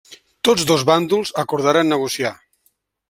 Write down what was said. Tots dos bàndols acordaren negociar.